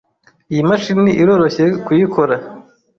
Iyi mashini iroroshye kuyikora.